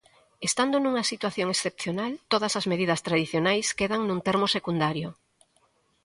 Estando nunha situación excepcional todas as medidas tradicionais quedan nun termo secundario.